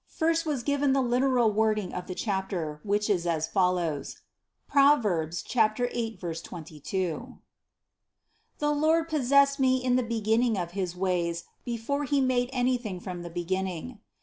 First was given me the literal wording of the chapter, which is as follows (Prov. 8, 22): 53. Verse 22. "The Lord possessed me in the be ginning of his ways before He made anything from the beginning."